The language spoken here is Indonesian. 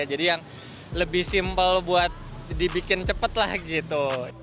jadi yang lebih simple buat dibikin cepat lah gitu